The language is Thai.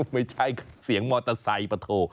ไม่ใช่เสียงมอเตอร์ไซค์ปะโท